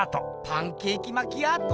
パンケーキマキアート？